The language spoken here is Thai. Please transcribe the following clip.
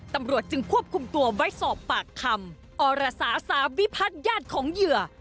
ตำรวจจึงควบคุมตัวไว้สอบปากคำอรสาสาวิพัฒน์ญาติของเหยื่อ